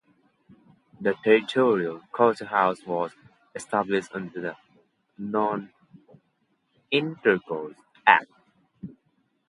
The territorial courthouse was established under the Nonintercourse Act.